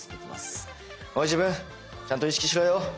おい自分ちゃんと意識しろよ。